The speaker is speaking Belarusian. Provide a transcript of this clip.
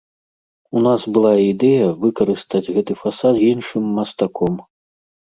У нас была ідэя выкарыстаць гэты фасад з іншым мастаком.